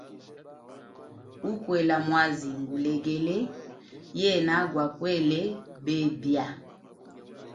Ukwela mwazi ngulegele, yena gwa kwele bebya.